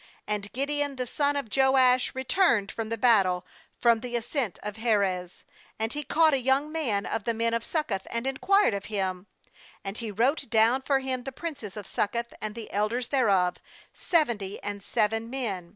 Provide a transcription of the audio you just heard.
KAnd Gideon the son of Joash returned from the battle from the ascent of Heres. 14And he caught a young man of the men of Succoth, and inquired of him; and he wrote down for him the princes of Suceoth, and the elders thereof, seventy and seven men.